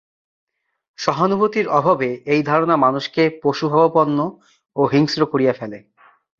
সহানুভূতির অভাবে এই ধারণা মানুষকে পশুভাবাপন্ন ও হিংস্র করিয়া ফেলে।